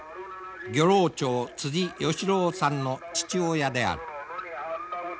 漁労長義郎さんの父親である。